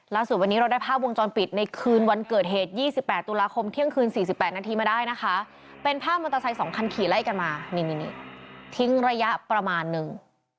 ล่าสุดวันนี้เราได้ภาพวงจรปิดในคืนวันเกิดเหตุ๒๘ตุลาคมเที่ยงคืน๔๘นาทีมาได้นะคะเป็นภาพมอเตอร์ไซค์๒คันขี่ไล่กันมานี่ทิ้งระยะประมาณนึง